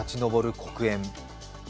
黒煙。